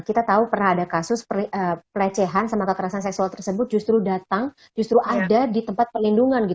kita tahu pernah ada kasus pelecehan sama kekerasan seksual tersebut justru datang justru ada di tempat perlindungan